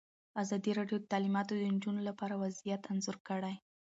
ازادي راډیو د تعلیمات د نجونو لپاره وضعیت انځور کړی.